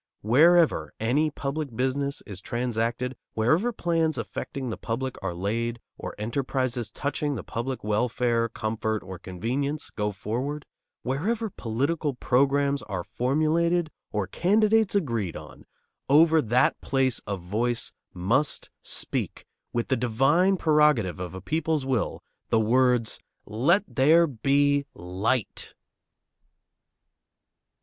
Wherever any public business is transacted, wherever plans affecting the public are laid, or enterprises touching the public welfare, comfort, or convenience go forward, wherever political programs are formulated, or candidates agreed on, over that place a voice must speak, with the divine prerogative of a people's will, the words: "Let there be light!"